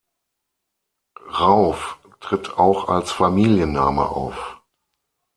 Rauf tritt auch als Familienname auf.